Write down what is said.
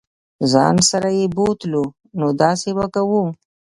ځان سره یې بوتلو نو داسې به کوو.